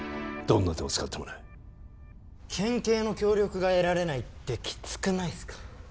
どんな手を使ってもね県警の協力が得られないってきつくないっすか？